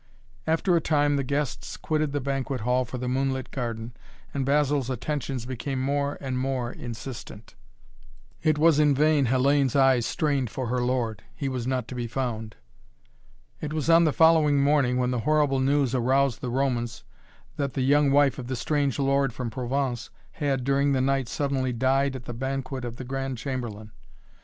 After a time the guests quitted the banquet hall for the moonlit garden, and Basil's attentions became more and more insistent. It was in vain Hellayne's eyes strained for her lord. He was not to be found. It was on the following morning when the horrible news aroused the Romans that the young wife of the strange lord from Provence had, during the night, suddenly died at the banquet of the Grand Chamberlain.